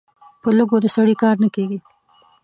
په لږو د سړي کار نه کېږي.